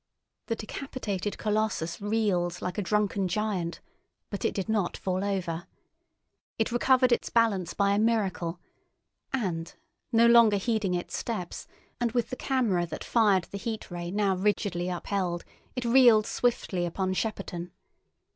The decapitated colossus reeled like a drunken giant; but it did not fall over. It recovered its balance by a miracle, and, no longer heeding its steps and with the camera that fired the Heat Ray now rigidly upheld, it reeled swiftly upon Shepperton.